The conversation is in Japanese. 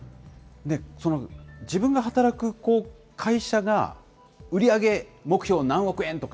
自分が働く会社が、売り上げ目標何億円とか、